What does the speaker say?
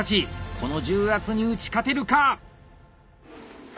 この重圧に打ち勝てるか！